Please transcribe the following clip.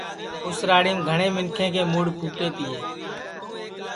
اُس راڑیم گھٹؔے منکھیں کے مُڈؔ پُھٹے تیئے